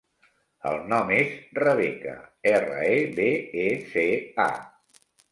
El nom és Rebeca: erra, e, be, e, ce, a.